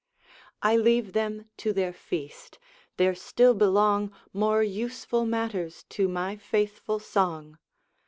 I leave them to their feast. There still belong More useful matters to my faithful song.